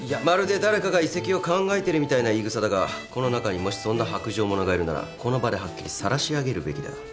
まるで誰かが移籍を考えてるみたいな言いぐさだがこの中にもしそんな薄情者がいるならこの場ではっきりさらし上げるべきだ。